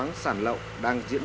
năm thứ chín